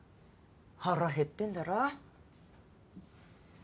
腹減ってんだろ。